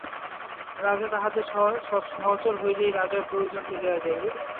রাজা তাহাদের সহচর হইলেই রাজার প্রয়োজন চলিয়া যাইবে।